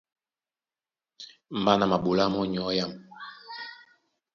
Mbá na maɓolá mɔ́ nyɔ̌ âm.